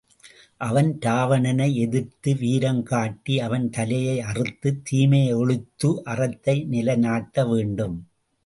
அவன் இராவணனை எதிர்த்து வீரம் காட்டி அவன் தலையை அறுத்துத் தீமையை ஒழித்து அறத்தை நிலை நாட்ட வேண்டும்.